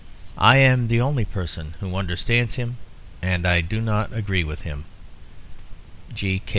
I am the only person who understands him, and I do not agree with him. G.